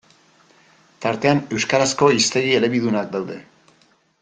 Tartean, euskarazko hiztegi elebidunak daude.